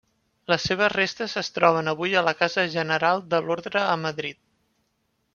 Les seves restes es troben avui a la casa general de l'orde a Madrid.